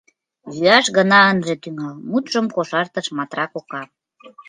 — Йӱаш гына ынже тӱҥал, — мутшым кошартыш Матра кока.